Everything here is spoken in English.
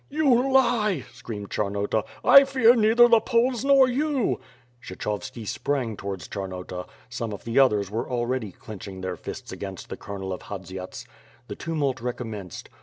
"You lie," screamed Charnota, "I fear neither the Poles nor you." Kshechovski sprang towards Charnota — some of the others were already clenching their fists against the colonel of Hadziats. The tumult recommenced.